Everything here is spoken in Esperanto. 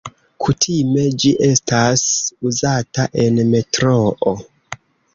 Kutime ĝi estas uzata en metroo.